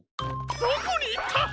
どこにいった！？